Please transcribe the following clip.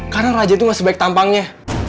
karena raja itu gak sebaik tampangnya